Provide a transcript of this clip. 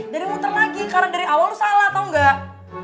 dari muter lagi karena dari awal lo salah tau nggak